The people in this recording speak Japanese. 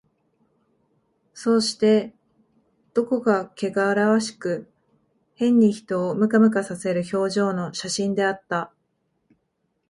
そうして、どこかけがらわしく、変に人をムカムカさせる表情の写真であった